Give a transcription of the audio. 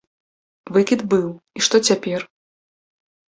Выкід быў, і што цяпер?